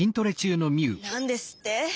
なんですって！